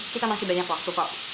kita masih banyak waktu kok